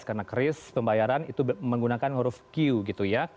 karena kris pembayaran itu menggunakan huruf q gitu ya